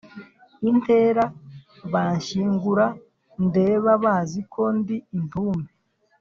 intere Banshyingura ndeba Bazi ko ndi intumbi